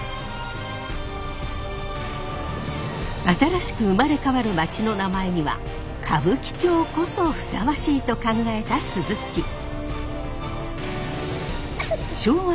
新しく生まれ変わるまちの名前には歌舞伎町こそふさわしいと考えた鈴木。